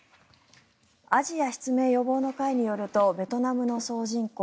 アジア失明予防の会によるとベトナムの総人口